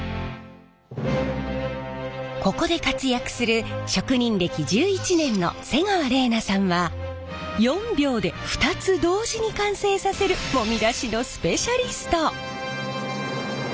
ここで活躍する職人歴１１年の瀬川れいなさんは４秒で２つ同時に完成させるもみ出しのスペシャリスト。